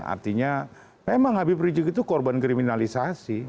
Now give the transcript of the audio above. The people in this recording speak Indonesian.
artinya memang habib rizik itu korban kriminalisasi